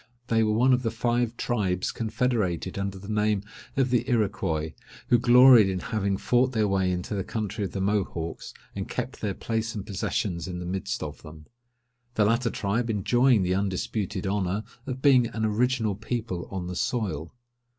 They were one of the five tribes confederated under the name of the Iroquois, who gloried in having fought their way into the country of the Mohawks, and kept their place and possessions in the midst of them; the latter tribe enjoying the undisputed honour of being an original people on the soil.